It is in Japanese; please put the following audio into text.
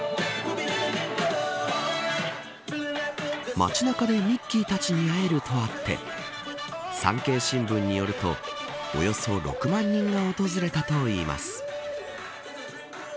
街中でミッキーたちに会えるとあって産経新聞によるとおよそ６万人が訪れたといいます。